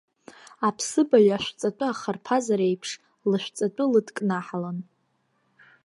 Аԥсыбаҩ ашәҵатәы ахарԥазар еиԥш, лышәҵатәы лыдкнаҳалан.